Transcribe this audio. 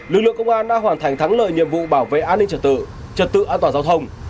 lực lượng công an đã hoàn thành thắng lợi nhiệm vụ bảo vệ an ninh trật tự trật tự an toàn giao thông